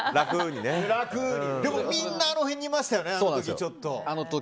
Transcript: でも、みんなあの辺にいましたよね、あの時。